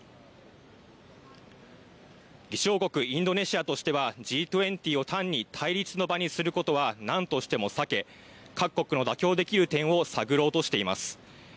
議長国インドネシアとしてはＧ２０を単に対立の場にすることはなんとしても避け各国の妥協できる点を探ろうとしています。